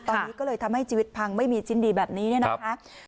ตอนนี้ก็เลยทำให้ชีวิตพังไม่มีชิ้นดีแบบนี้เนี่ยนะคะ